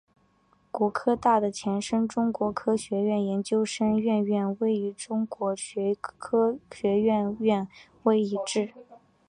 国科大的前身中国科学院研究生院院徽与中国科学院院徽一致。